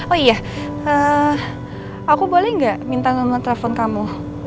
oh iya aku boleh gak minta nomer telepon kamu